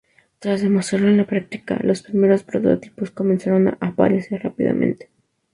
Tras demostrarlo en la práctica, los primeros prototipos comenzaron a aparecer rápidamente.